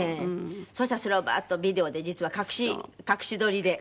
そしたらそれをバーッとビデオで実は隠し撮りで。